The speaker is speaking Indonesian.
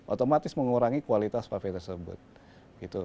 otomatis mengurangi kualitas wifi tersebut